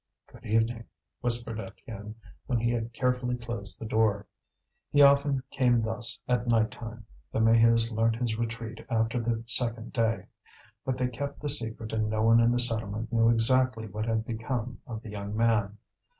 "Good evening," whispered Étienne, when he had carefully closed the door. He often came thus at night time. The Maheus learnt his retreat after the second day. But they kept the secret and no one in the settlement knew exactly what had become of the young man.